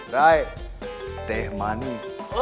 ray teh manis